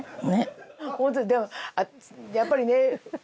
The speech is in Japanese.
本当にでもやっぱりね